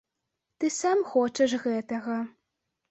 Ты сам хочаш гэтага.